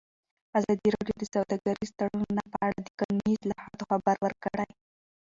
ازادي راډیو د سوداګریز تړونونه په اړه د قانوني اصلاحاتو خبر ورکړی.